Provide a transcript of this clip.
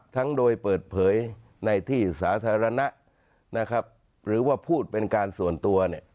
ทั้งโดยเปิดเผยในที่สาธารณะหรือว่าพูดเป็นการส่วนตัว